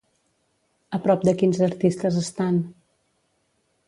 A prop de quins artistes estan?